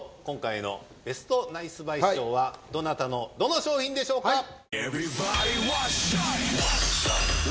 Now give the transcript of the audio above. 今回のベストナイスバイ賞はどなたのどの商品でしょうか？